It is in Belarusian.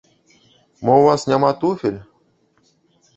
Мо ў вас няма туфель?